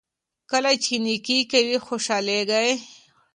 کله چې نیکي کوئ خوشحاله کیږئ.